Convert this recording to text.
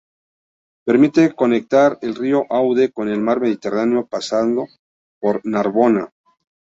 Permite conectar el río Aude con el mar Mediterráneo pasando por Narbona.